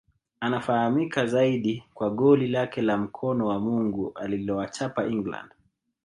Anafahamika zaidi kwa goli lake la mkono wa Mungu alilowachapa England